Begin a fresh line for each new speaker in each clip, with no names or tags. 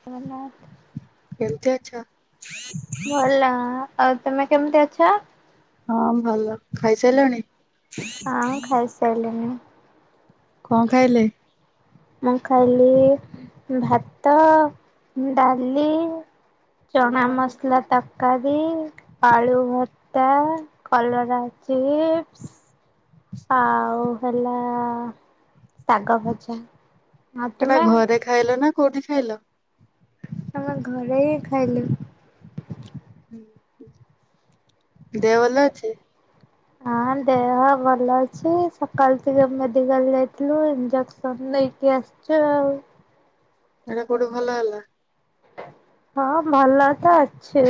ଜଗନ୍ନାଥ
କେମତି ଅଛ।
ଭଲ ଆଉ ତମେ କେମିତି ଅଛ।
ହଁ ଭଲ ଖାଇସାରିଲଣି?
ହଁ ମୁଁ ଖାଇସାରିଲିଣି
କଣ ଖାଇଲେ?
ମୁଁ ଖାଲି ଭାତ ଡାଲି। ଚଣା ମସଲା ତରକାରୀ ଆଳୁ ଭର୍ତ୍ତା କଲରା। ଚିପ୍ସ। ଆଉ ହେଲା ଶାଗ ଭଜା ଆ ତମେ?
ହ୍ୟାଲୋ।
ଆମେ ଘରେ ହିଁ ଖାଇଲୁ।
ଦେହ ଭଲ ଅଛି?
ହଁ। ଦେହ ଭଲ ଅଛି ସକାଳ ଟିକେ ମେଡିକାଲ ଯାଇଥିଲୁ ଇଞ୍ଜେକ୍ସନ ନେଇକି ଆସି ଚା।
ଏଟା କୋଉଠି ଭଲ ହେଲା?
ହଁ ଭଲ ତ ଅଛି?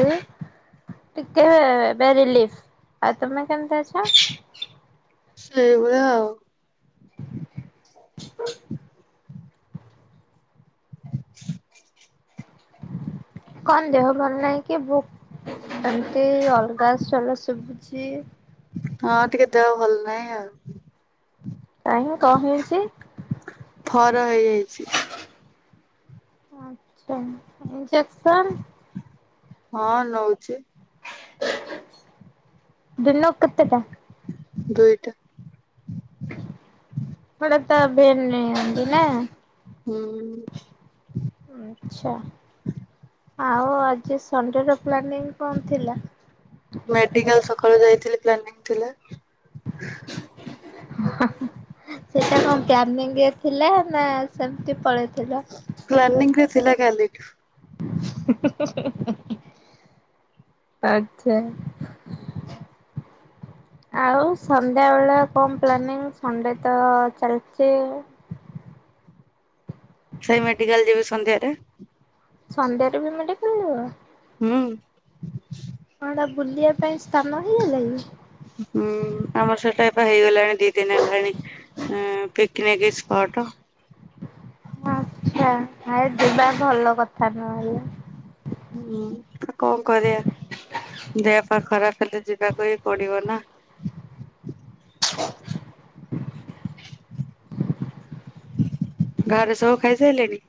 ଟିକେ ଏବେ ରିଲିଫ ଆଉ ତମେ କେମତି ଅଛ?
ସେଇ ଭଳିଆ ଆଉ
ହ [unintelligible]
ହ [inaudible]
[inaudible] କଣ ଦେହ ଭଲ ନାହିଁ କି? ଭୁ ଏମତି ଅଲଗା ସ୍ୱର [unintelligible]
ହଁ ଟିକେ ଦେହ ଭଲ ନାଇଁ ଆଉ।
କାଇଁମ କଣ ହେଇଛି?
ଫର
ଆଛା
ହେଇଯାଇଛି।
ଇଞ୍ଜେକ୍ସନ
ହଁ ନଉଛି।
ଦିନକୁ କେତେଟା?
ଦୁଇଟା।
ମଡେ ତ ଭେନରେ ନିଅନ୍ତି ନା।
ହୁଁ
ଆଛା ଆଉ ଆଜି ସଣ୍ଡେର ପ୍ଲାନିଂ କଣ ଥିଲା?
ମେଡିକାଲ ସକାଳୁ ଯାଇଥିଲି ପ୍ଲାନି ଥିଲା।
[unintelligible] ସେଇଟା କଣ କ୍ୟାନିଙ୍ଗ ଥିଲା ନା ସେମତି ପଳେଇଥିଲ?
ପ୍ଲାନିଂ ରେ ଥିଲା କାଲିଠୁ।
ହୁଁ ହୁଁ ଆଚ୍ଛା।
ହୁଁ [inaudible]
ଆଉ ସନ୍ଧ୍ୟା ବେଳେ କଣ ପ୍ଲାନିଂ ସଣ୍ଡେ ତ ଚାଲିଛି? ହ [inaudible]
ସେଇ ମେଡିକାଲ ଯିବି ସନ୍ଧ୍ୟାରେ
ସନ୍ଧ୍ୟାରେ ବି ମେଡିକାଲ ଯିବ?
ହଁ।
ହେଟା ବୁଲିବା ପାଇଁ ସ୍ଥାନ ହେଇଗଲାକି?
ହୁଁ ଆମର ସେଟା ଏବେ ହେଇଗଲାଣି ଦି ଦିନ ହେଲାଣି ପିକନିକ ଅଟ।
ଆଛା ଆରେ ଯିବା ଭଲ କଥା ନୁହ ହେଲେ।
ହୁଁ କଣ କରିବା? ଦେହ ପା ଖରାପ ହେଲେ ଯିବାକୁ ହି ପଡିବ ନା। [unintelligible] ଘରେ ସବୁ ଖାଇସାରିଲେଣିି?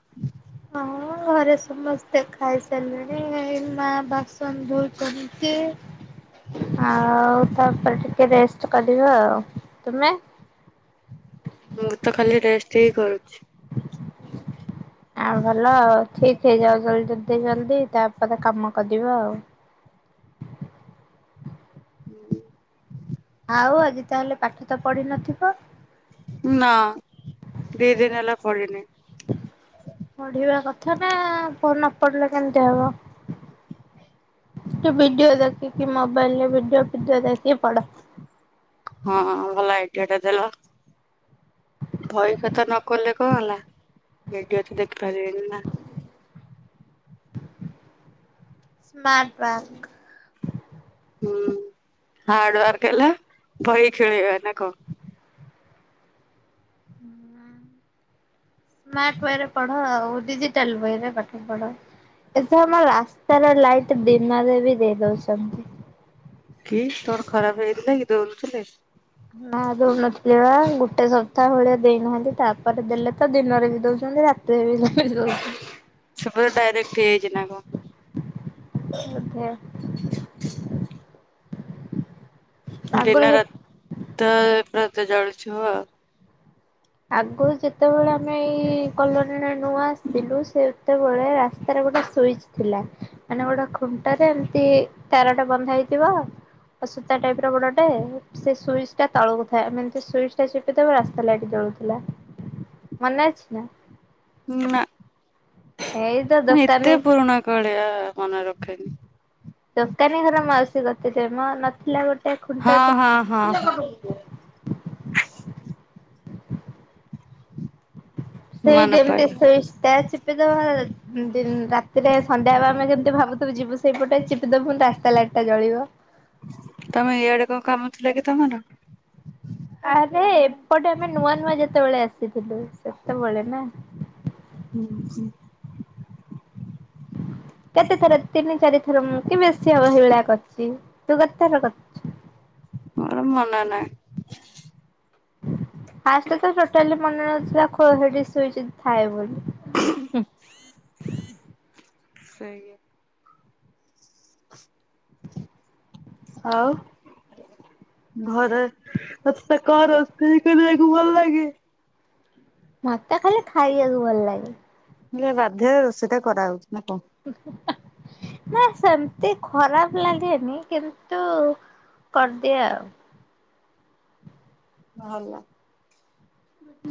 ହଁ ଘରେ ସମସ୍ତେ ଖାଇସାରିଲେଣି ଏଇ ମା ବାସନ ଧୋଉଛନ୍ତି। [inaudible] ଆଉ ତାପରେ ଟିକେ ରେଷ୍ଟ କରିବା ଆଉ ତୁମେ?
ମୁଁ ତ ଖାଲି ରେଷ୍ଟ ହେଇଁ କରୁଛି।
ଆଁ ଭଲ ଆଉ ଠିକ ହେଇଯାଉ ଜଲଦି ଯଦ ଜଲଦି ତାପ କତେ କାମ କରିଦବ ଆଉ।
[inaudible]
ଆଉ ଆଜି ତାହେଲେ ପାଠ ତ ପଢିନଥିବ?
ନା ଦି ଦିନ ହେଲା ପଡିନି।
ପଢିବା କଥା ନା ପଢିଲେ କେମିତ ହବ? ତ ଭିଡିଓ ଦେଖି କି ମୋବାଇଲରେ ଭିଡିଓ ଭିଡିଓ ଦେଖି ପଡ।
ହଁ ଭଲ ଆଇଡିଆ ଟା ଦେଲ ବହି ଖାତା ନ ଖୋଲିଲେ କଣ ହେଲା ଭିଡିଓ ତ ଦେଖିପାରିବେନି ନା?
Smart bank.
ହୁଁ ହାର୍ଡ ୱାର୍କ ହେଲା ବହି ଖେଳେଇବା ନା କଣ?
ସ୍ମାଟ ଓଏରେ ପଢ। ଡିଜିଟାଲ ୱରେ ପାଠ ପଢ ଏ ଆମର ରାସ୍ତାର ଲାଇଟ୍ ଦିନରେ ବି ଦେଇ ଦଉଛନ୍ତି।
କି ତୋର ଖରାପ ହେଇଥିଲା କି ଦଉନଥିଲେ।
ନା ଦଉନଥିଲ ବା ଗୋଟେ ସପ୍ତାହ ଭଳିଆ ଦେଇନାହାନ୍ତି ତାପରେ ଦେଲେ ତ ଦିନରେ ବି ଦଉଛନ୍ତି ରାତିରେ ବି ଦଉଛନ୍ତି।
ସବୁ ଡାଇରେକ୍ଟ ହେଯଇଛି ନା କଣ?
ବୋଧେ। ଆଗରୁ
ଦିନ
ଯେ
ରାତି ତ ପ୍ରତି ଜଳୁଛୁ ଆଉ।
ଆଗରୁ ଯେତେବେଳେ ଆମେ ଏଇ କଲୋନୀଟା ନୂଆ ଆସିଥିଲୁ ସେ ଯେତେବେଳେ ରାସ୍ତାରେ ଗୋଟେ ସୁଇଚ୍ ଥିଲା ମାନେ ଗୋଟେ ଖୁଣ୍ଟରେ ଏମିତି ତାରଟା ବନ୍ଧା ହେଇଥିବ ଅସୂତା ଟାଇପ ର ବଡଟେ ସେ ସୁଇଚ୍ ଟା ତଳୁକୁଥାଏ ଆମେ ଏମିତ ସୁଇଚ ଟା ଚିପି ରାସ୍ତା ଲାଇଟ ଟା ଜଳୁଥାଏ। ମନେ ଅଛି ନା?
ନା
ଏଇ ତ
ମୁଁ ଏତେ
ଦୋକାନୀ
ପୁରୁଣା କାଳିଆ ମନେ ରଖେନି।
ଦୋକାନୀ ଘର ମାଉସୀ କତିରେ ମୋ ନଥିଲା ଗୋଟେ ଖୁଣ୍ଟ
ହଁ ହଁ ହଁ ହଁ
[unintelligible] [unintelligible] ସେଇଠି
ମନେ
ଏମିତି
ପଇଲା।
ସେଇ ଚିପ ରାତିରେ ସନ୍ଧ୍ୟା ହେଲେ ଆମେ ଯେମିତି ଭାବୁଥିବୁ ଯିବୁ ସେଇପଟେ ଚିପିଦବୁ ରାସ୍ତା ଲାଇଟ୍ ଟା ଜଳିବ।
ତମେ ଇଆଡେ କଣ କାମଥିଲା କି ତମର?
ଆରେ ଏପଟେ ଆମେ ନୂଆ ନୂଆ ଯେତେବେଳେ ଆସିଥିଲୁ ସେତେବେଳେ ନା।
ହୁଁ ହଁ।
କେତେ ଥର ତିନି ଚାରି ଥର ଥର ମୁଁ କି ବେଶୀ ହବ ସେଇଳିଆ କରଛି ତୁ କେତେ ଥର କରଛୁ?
ମୋର ମନେନାହିଁ।
ଆ ତ ଟୋଟାଲି ମନେ ନଥିଲା ଖଡି ଶୋଇଛି ଥାଏ ବୋଲି
ସେଇଆ। ଆଉ ଘରେ ତୋତେ କଣ ରୋଷେଇ କରିବାକୁ ଭଲ ଲାଗେ।
ମତେ ଖାଲି ଖାଇବାକୁ ଭଲ ଲାଗେ।
ହେ ବାଧ୍ୟରେ ରୋଷେଇଟା କରାହଉଛି। ନା କଣ?
ନା ସେମିତି ଖରାପ ଲାଗେନି କିନ୍ତୁ କରିଦିଏ ଆଉ।
ଭଲ।
ବ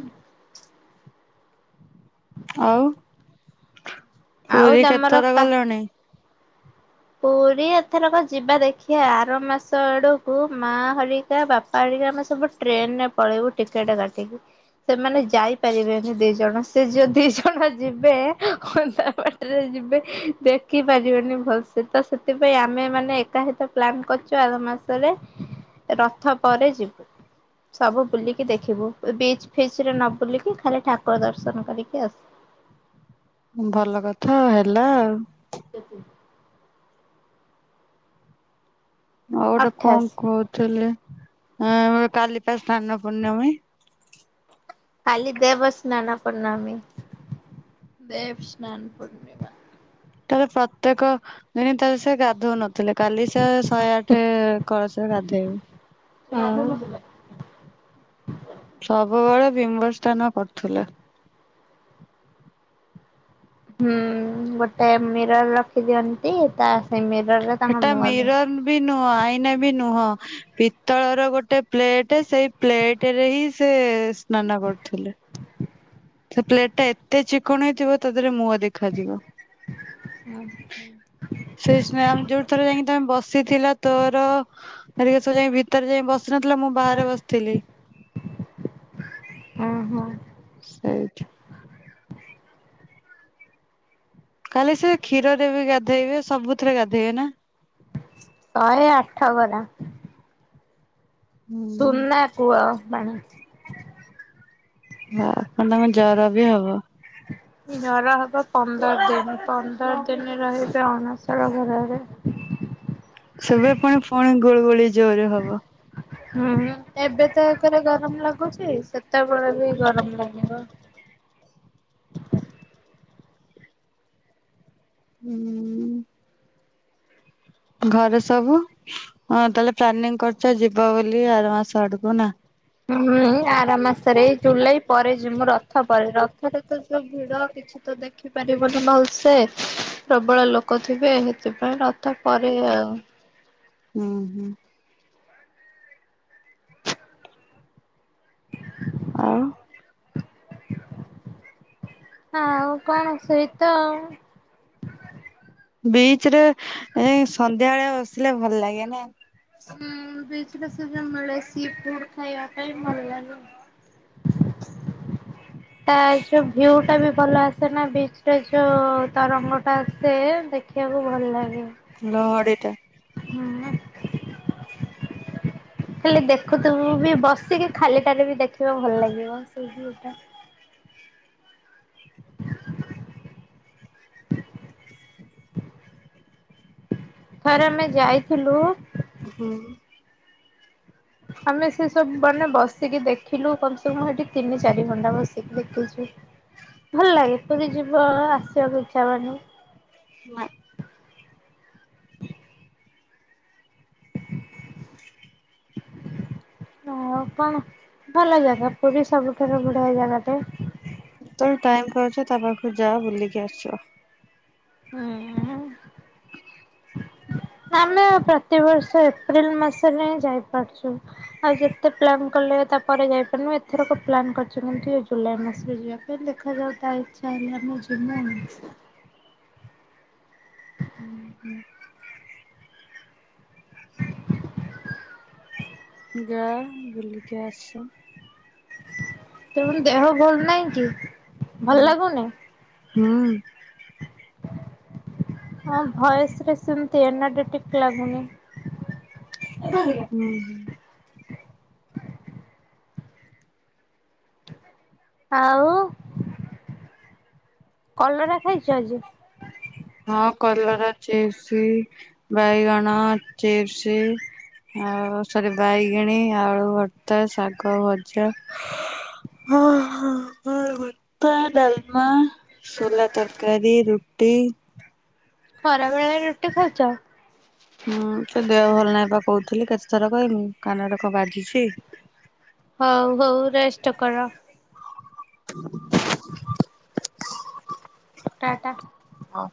ଆଉ
ଆଉ
ପୁରୀ
ତମର
କେତେଥର
କା
ଗଲଣି?
ପୁରୀ ଏଥରକ ଯିବା ଦେଖି ଆର ମାସ ଆଡ଼କୁ ମାଆ ହରିକା ବାପା ହରିକା ଆମେ ସବୁ ଟ୍ରେନରେ ପଳେଇବୁ ଟିକେଟ କାଟିକି ସେମାନେ ଯାଇପାରିବେନି ଦି'ଜଣ। ସେ ଯଦି ଦି'ଜଣ ଯିବେ ଅଧା ବାଟରେ ଯିବେ ଦେଖିପାରିବେନି। ସେ ତ ସେଥିପାଇଁ ଆମେ ମାନେ ଏକାହିତ ପ୍ଲାନ କରିଛୁ ଆର ମାସରେ ରଥ ପରେ ଯିବୁ ସବୁ ବୁଲିକି ଦେଖ ଦେଖିବୁ ବିଚି ଫିଚ ରେ ନ ବୁଲିକି ଖାଲି ଠାକୁର ଦର୍ଶନ କରିକି ଆସ
ଭଲ କଥା ହେଲା ଆଉ
କେତେ
ଆଉ ଗୋଟେ କଣ
ଅଠାଅଶୀ
କହୁଥିଲି କାଲି ପା ସ୍ନାନ ପୂର୍ଣ୍ଣମୀ?
କାଲି ଦେବସ୍ ସ୍ନାନ ପୂର୍ଣ୍ଣମୀ ଦେବ ସ୍ନାନ ପୂର୍ଣ୍ଣିମା
ତାହାଲେ ପ୍ରତ୍ୟେକ ଦିନ ତାହାଲେ ସେ ଗାଧଉ ନଥିଲେ କାଲି ସେ ଶହେ ଆଠେ କଳସରେ ଗାଧୋଇବେ
ହୁଁ।
[inaudible] ସବୁବେଳେ ବିମ୍ବ ସ୍ନାନ କରୁଥିଲେ।
ହୁଁ ଗୋଟେ ମିରର ରଖିଦିଅନ୍ତି ତା ସାମ୍ନା ରେ
ସେଟା ମିରର ବି ନୁହଁ ଆଇନା ବି ନୁହଁ ପିତ୍ତଳର ଗୋଟେ ପ୍ଲେଟ ସେଇ ପ୍ଲେଟରେ ହିଁ ସେ ସ୍ନାନ କରୁଥିଲେ। ସେ ପ୍ଲେଟ ଟା ଏତେ ଚିକଣ ହେଇଥିବ ତା ଦେହରେ ମୁହଁ ଦେଖାଯିବ।
ହୁଁ ହୁଁ।
ସେଇ [unintelligible] ଆମେ ଯୋଉଁ ଥରେ ଯାଇକି ତମେ ବସିଥିଲ ତୋର ହେରିକା ଯାଇ ଭିତରେ ଯାଇ ବସି ନଥିଲ ମୁଁ ବାହାରେ ବସିଥିଲି।
[inaudible] ଅଁ ହଁ।
ସେଇଠି। କାଲି ସେ କ୍ଷୀରରେ ବି ଗାଧେଇବେ ସବୁଥିରେ ଗାଧେଇବେ ନା
ଶହେ ଆଠ ଗରା
ହୁଁ।
ସୁନା କୁହ [unintelligible]
ହଁ ତାଙ୍କୁ ଜର ବି ହବ।
ଜର ହବ ପନ୍ଦର ଦିନ ପନ୍ଦର ଦିନ ରହି ସେ ଅଣସର ଘରରେ
ସେବେ ପୁଣି ପୁଣି ଗୁଳୁଗୁଳି ଜୋରେ ହବ।
ହୁଁ ଏବେ ତ ଏକରେ ଗରମ ଲାଗୁଛି। ସେତେବେଳେ ବି ଗରମ ଲାଗିବ। [inaudible]
ହୁଁ। ଘରେ ସବୁ ହ ତାହେଲେ ପ୍ଲାନିଂ କରୁଛ ଯିବ ବୋଲି ଆର ମାସ ଆଡକୁ ନା?
ହୁଁ। ଆର ମାସରେ ଜୁଲାଇ ପରେ ଯିମୁ ରଥ ପରେ ରଥରେ ତ ଯଉ ଭିଡ କିଛି ତ ଦେଖିପା ରିବୁନୁ ଭଲସେ ପ୍ରବଳ ଲୋକ ଥିବେ ସେଥିପାଇଁ ରଥ ପରେ ଆଉ।
ହୁଁ ହୁଁ।
[inaudible]
ଆଉ।
[inaudible] ଆଉ କଣ ସେଇତ ଆଉ?
ବିଚରେ ଏ ସନ୍ଧ୍ୟା ବେଳିଆ ବସିଲେ ଭଲ ଲାଗେ ନା।
ହୁଁ ବିଚରେ ସେ ଯଉଁ ମିଳେ ସି ଫୁଡ ଖାଇବା ପାଇଁ ଭଲ ଲାଗେ। ତା ଯୋଉ ଭିଉ ଟା ବି ଭଲ ଆସେ ନା ବିଚରେ ଯୋଉ ତରଙ୍ଗ ଟା ଆସେ ସେ ଦେଖିଆକୁ ଭଲ ଲାଗେ।
ଲହଡ଼ିଟା।
ହଁ ବା। ଖାଲି ଦେଖୁଥୁିବୁ ବି ବସିକି ଖାଲିଟାରେ ବି ଦେଖିବା ଭଲ ଲାଗିବ ସେଇ ଭିୟୁଟା। [inaudible] ଥରେ ଆମେ ଯାଇଥିଲୁ
ହୁଁ।
ଆମେ ସେ ସବୁ ମାନେ ବସିକି ଦେଖିଲୁ ତ ମୁଁ ହେଟି ତିନି ଚାରି ଘଣ୍ଟା ବସିକି ଦେଖିଛି ଭଲ ଲାଗେ ପୁରୀ ଯିବ ଆସ ସି ବାକୁ ଇଛା ହବନି। ହ କଣ ଭଲ ଜାଗା ପୁରୀ ସବୁଠାରୁ ବଢିଆ ଜାଗାଟେ।
ତୋର ଟାଇମ କରଛ ତା ପାଖକୁ ଯା ବୁଲିକି ଆସ।
ହୁଁ। ଆମେ ପ୍ରତିବର୍ଷ ଏପ୍ରିଲ ମାସରେ ହିଁ ଯାଇପାରୁଛୁ ଆଉ ଯେତେ ପ୍ଲାନ୍ କଲେ ତାପରେ ଯାଇପାରୁନୁଁ ଏଥରକ ପ୍ଲାନ୍ କରିୁ କିନ୍ତୁ ଜୁଲାଇ ମାସରେ ଯିବା ପାଇଁ ଦେଖାଯାଉ ତା ଇଚ୍ଛା। [unintelligible]
ଯା ବୁଲିକି ଆସ।
ତମର ଦେହ ଭଲ ନହିଁ କି? ଭଲ
ହଁ
ଲାଗୁନି
ହୁଁ।
[unintelligible]
ହୁଁ
ଆଉ
ହଁ।
ଆଉ।
ହଁ କଲର ଅଛି ଏ ଛି ବାଇଗନ ଚିପ୍ସ। ଆଉ ସରି ବାଇଗଣୀ, ଆଳୁ ଭର୍ତା, ଶାଗ ଭଜା। ହ ହୋ ଭର୍ତା ଡାଲମା ଶୋଲା ତରକାରୀ, ରୁଟି।
ଖରାବେଳରେ ରୁଟି ଖାଉଛ।
ହୁଁ ତ ଦେହ ଭଲ ନାହିଁ ବା କହୁଥିଲି କେତେଥର କହମି କାନରେ କଣ ବାଜିଛି
ହଉ ହଉ ରେଷ୍ଟ କର।
[inaudible]
[inaudible]
[inaudible]
ଟା ଟା।
ହଁ